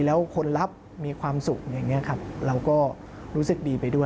แล้วคนรับมีความสุข